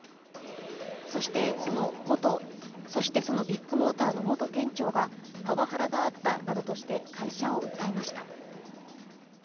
そしてそのビッグモーターの元店長がパワハラがあったなどとして会社を訴えました。